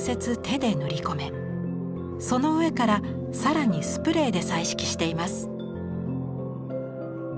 その上から更にスプレーで彩色しています。